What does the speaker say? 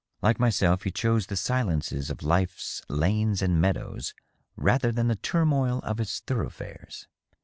Like myself, he chose the silences of life's lanes and meadows rather than the turmoil of its thoroughfares.